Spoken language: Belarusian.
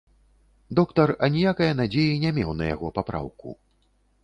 Доктар аніякае надзеі не меў на яго папраўку.